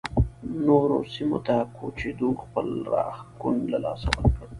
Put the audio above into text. نورو سیمو ته کوچېدو خپل راښکون له لاسه ورکړ